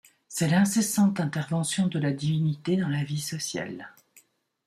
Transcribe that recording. C’est l’incessante intervention de la divinité dans la vie sociale.